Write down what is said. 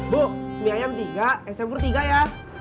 bu mie ayam tiga es embur tiga ya